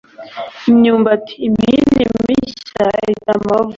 imyumbati. imihini mishya itera amabavu